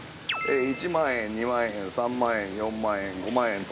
１万円、２万円、３万円、４万円５万円と。